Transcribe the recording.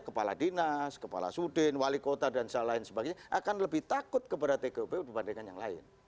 kepala dinas kepala sudin wali kota dan sebagainya akan lebih takut kepada tgup dibandingkan yang lain